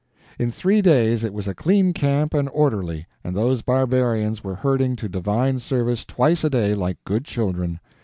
In three days it was a clean camp and orderly, and those barbarians were herding to divine service twice a day like good children.